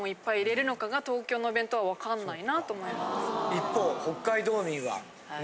一方北海道民はね